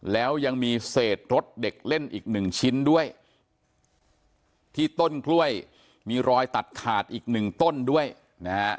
แล้วยังมีเศษรถเด็กเล่นอีกหนึ่งชิ้นด้วยที่ต้นกล้วยมีรอยตัดขาดอีกหนึ่งต้นด้วยนะฮะ